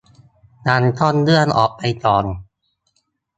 ยังต้องเลื่อนออกไปก่อน